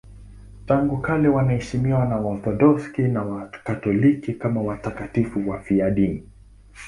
Tangu kale wanaheshimiwa na Waorthodoksi na Wakatoliki kama watakatifu wafiadini.